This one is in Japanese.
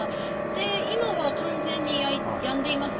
で、今は完全にやんでいます。